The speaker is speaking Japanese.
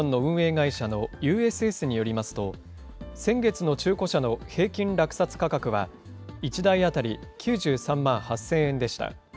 会社のＵＳＳによりますと、先月の中古車の平均落札価格は、１台当たり９３万８０００円でした。